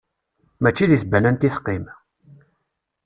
Mačči deg tbanant i teqqim!